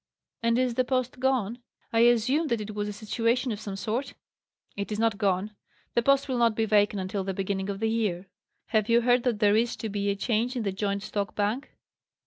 "And is the post gone? I assume that it was a situation of some sort?" "It is not gone. The post will not be vacant until the beginning of the year. Have you heard that there is to be a change in the joint stock bank?"